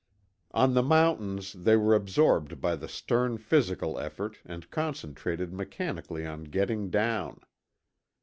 On the mountains, they were absorbed by the stern physical effort, and concentrated mechanically on getting down.